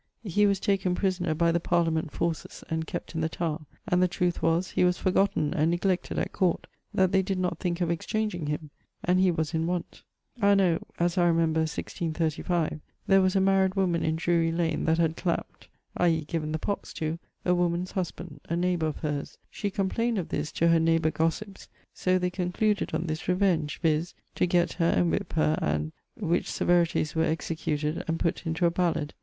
[XXVIII.] He was taken prisoner by the Parliament forces, and kept in the Tower; and the trueth was, he was forgotten and neglected at Court, that they did not thinke of exchanging him, and he was in want. Anno ... (as I remember, 1635) there was a maried woman in Drury lane that had clapt (i.e. given the pox to) a woman's husband, a neighbor of hers. She complained of this to her neighbour gossips. So they concluded on this revenge, viz. to gett her and whippe her and ...; which severities were executed and put into a ballad.